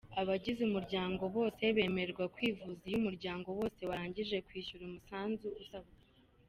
Abagize umuryango bose bemererwa kwivuza iyo umuryango wose warangije kwishyura umusanzu usabwa.